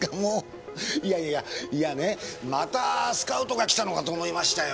いやいやいやいやねまたスカウトが来たのかと思いましたよ。